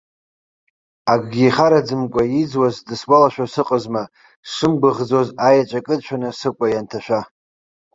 Акгьы ихараӡамкәа иӡуаз дысгәалашәо сыҟазма, сшымгәыӷӡоз аеҵәа кыдшәаны сыкәа ианҭашәа.